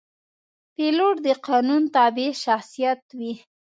پیلوټ د قانون تابع شخصیت وي.